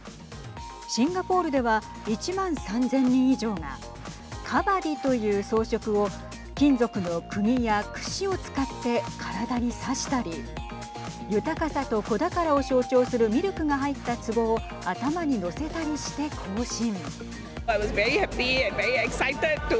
シンガポールでは１万３０００人以上がカバディという装飾を金属のくぎや串を使って体に刺したり豊かさと子宝を象徴するミルクが入ったつぼを頭に乗せたりして行進。